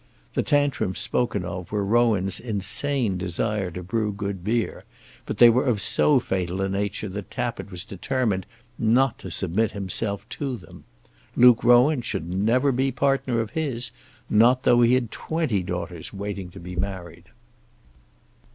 The tantrums spoken of were Rowan's insane desire to brew good beer, but they were of so fatal a nature that Tappitt was determined not to submit himself to them. Luke Rowan should never be partner of his, not though he had twenty daughters waiting to be married!